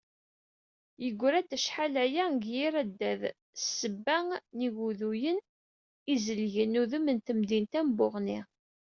Yeggra-d acḥal aya deg yir addad s ssebba n yiguduyen i izelgen udem n temdint-a n Buɣni.